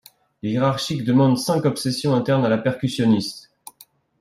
Les hiérarques demandent cinq obsessions internes à la percussionniste.